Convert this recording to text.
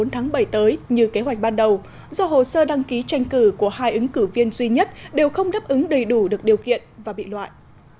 tháng bảy tới như kế hoạch ban đầu do hồ sơ đăng ký tranh cử của hai ứng cử viên duy nhất đều không đáp ứng đầy đủ được điều kiện và bị loại